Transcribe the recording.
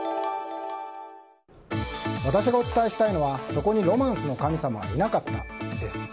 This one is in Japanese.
私がお伝えしたいのはそこにロマンスの神様はいなかったです。